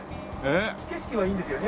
景色はいいんですよ